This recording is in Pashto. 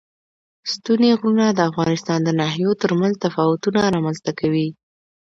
ستوني غرونه د افغانستان د ناحیو ترمنځ تفاوتونه رامنځ ته کوي.